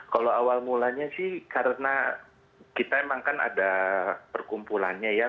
kalau awal mulanya sih karena kita emang kan ada perkumpulannya ya